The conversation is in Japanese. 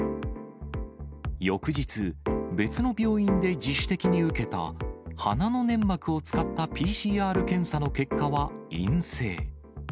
翌日、別の病院で自主的に受けた鼻の粘膜を使ったＰＣＲ検査の結果は陰性。